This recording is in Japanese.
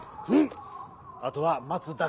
あとはまつだけだな。